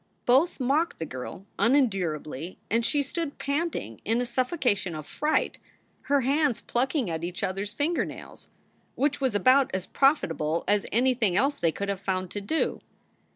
Both mocked the girl unendurably and she stood panting in a suffocation of fright, her hands pluck ing at each other s finger nails. Which was about as profit able as anything else they could have found to do.